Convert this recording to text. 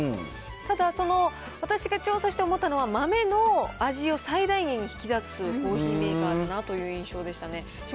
ただその、私が調査して思ったのは、豆の味を最大限に引き出すコーヒーメーカーだなという印象でしたね。